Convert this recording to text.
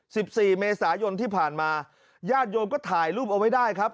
สิบสี่เมษายนที่ผ่านมาญาติโยมก็ถ่ายรูปเอาไว้ได้ครับ